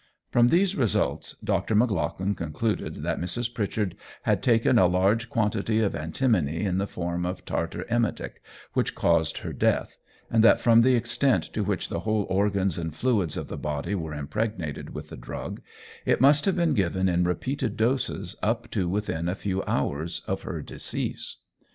From these results Dr. Maclagan concluded that Mrs. Pritchard had taken a large quantity of antimony in the form of tartar emetic, which caused her death, and that from the extent to which the whole organs and fluids of the body were impregnated with the drug, it must have been given in repeated doses up to within a few hours of her decease.